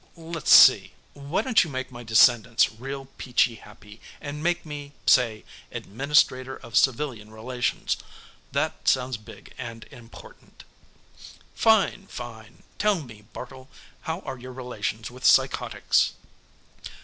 "Let's see why don't you make my descendants real peachy happy and make me, say, Administrator of Civilian Relations. That sounds big and important." "Fine, fine! Tell me, Bartle how are your relations with psychotics?"